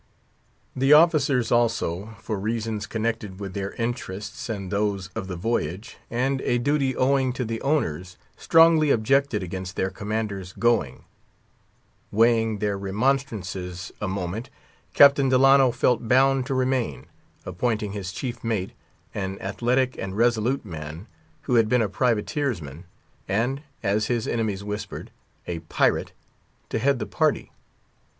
The officers also, for reasons connected with their interests and those of the voyage, and a duty owing to the owners, strongly objected against their commander's going. Weighing their remonstrances a moment, Captain Delano felt bound to remain; appointing his chief mate—an athletic and resolute man, who had been a privateer's man—to head the party.